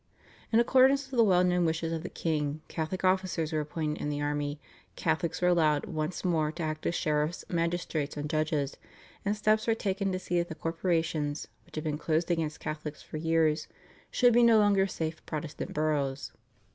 In accordance with the well known wishes of the king, Catholic officers were appointed in the army, Catholics were allowed once more to act as sheriffs, magistrates, and judges, and steps were taken to see that the corporations, which had been closed against Catholics for years, should be no longer safe Protestant boroughs.